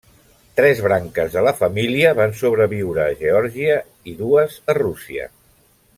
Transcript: Tres branques de la família van sobreviure a Geòrgia i dues a Rússia.